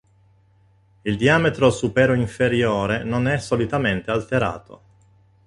Il diametro supero-inferiore non è solitamente alterato.